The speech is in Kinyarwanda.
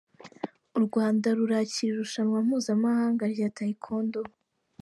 U Rwanda rurakira irushanwa mpuzamahanga rya Tayekondo